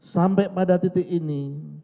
sampai pada titik ini